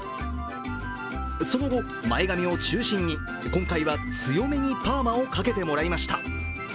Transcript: その後、前髪を中心に今回は強めにパーマをかけてもらいました。